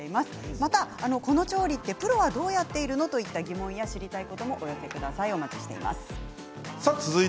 またこの調理ってプロはどうやっているの？といった疑問や知りたいこともお寄せください。